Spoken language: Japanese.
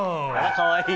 かわいい！